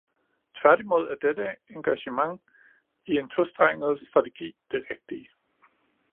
Tværtimod er dette engagement i en tostrenget strategi det rigtige.